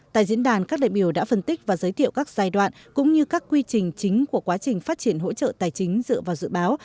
tại diễn đàn các đại biểu đã phân tích và giới thiệu các giai đoạn cũng như các quy trình chính của quá trình phát triển hỗ trợ tài chính dựa vào dự báo